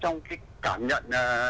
trong cái cảm nhận